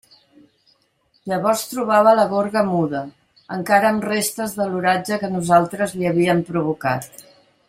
Llavors trobava la gorga muda, encara amb restes de l'oratge que nosaltres li havíem provocat.